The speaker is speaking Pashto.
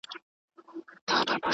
ماشوم ته ښکنځل مه کوئ.